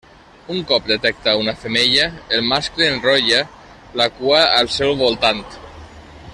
Un cop detecta una femella, el mascle enrotlla la cua al seu voltant.